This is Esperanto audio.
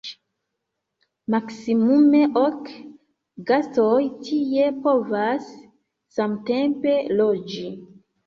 Maksimume ok gastoj tie povas samtempe loĝi.